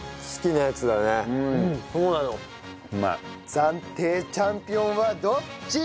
暫定チャンピオンはどっち？